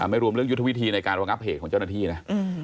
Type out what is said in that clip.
ไม่รวมเรื่องยุทธวิธีในการรองับเหตุของเจ้าหน้าที่นะ